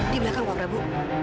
di belakang pak prabu